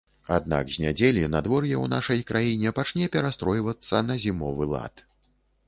Аднак з нядзелі надвор'е ў нашай краіне пачне перастройвацца на зімовы лад.